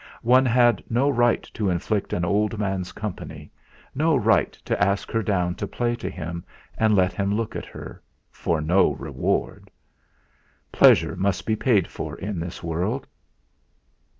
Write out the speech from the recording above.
One had no right to inflict an old man's company, no right to ask her down to play to him and let him look at her for no reward! Pleasure must be paid for in this world.